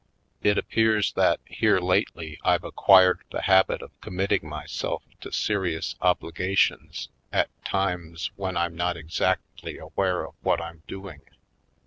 It appears that here lately I've acquired the habit of committing myself to serious obli gations at times when I'm not exactly aware of what I'm doing.